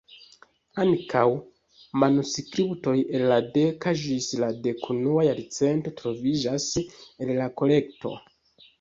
Ankaŭ manuskriptoj el la deka ĝis la dekunua jarcento troviĝas en la kolekto.